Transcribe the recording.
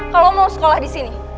kalau mau sekolah di sini